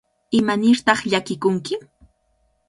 ¿Imanirtaq llakikunki?